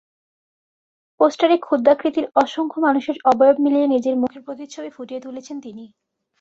পোস্টারে ক্ষুদ্রাকৃতির অসংখ্য মানুষের অবয়ব মিলিয়ে নিজের মুখের প্রতিচ্ছবি ফুটিয়ে তুলেছেন তিনি।